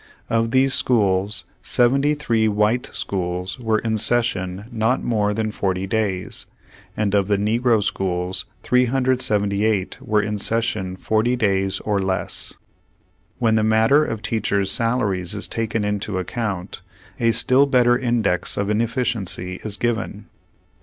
Of these schools, 73 white schools were in session not more than 40 days, and of the negro schools, 378 were in session 40 days or less. When the matter of teachers' sal aries is taken into account, a still better index of inefficiency is given.